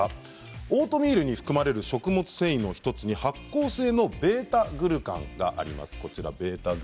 オートミールに含まれる食物繊維の１つに発酵性のβ−グルカンがあります。